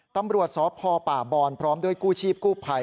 ตำรวจสพป่าบอนพร้อมด้วยกู้ชีพกู้ภัย